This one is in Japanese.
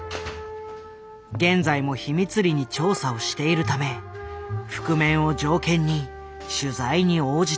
現在も秘密裏に調査をしているため覆面を条件に取材に応じてくれた。